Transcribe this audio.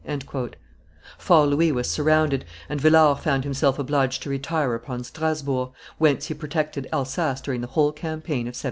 Fort Louis was surrounded, and Villars found himself obliged to retire upon Strasburg, whence he protected Elsass during the whole campaign of 1706.